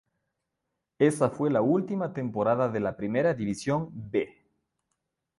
Esa fue la última temporada de la Primera División "B".